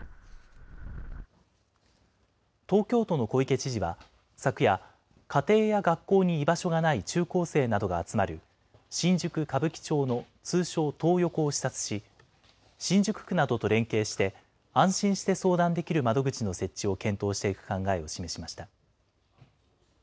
東京都の小池知事は昨夜、家庭や学校に居場所がない中高生などが集まる新宿・歌舞伎町の通称トー横を視察し、新宿区などと連携して、安心して相談できる窓口の設置を検討していく考えを示しました。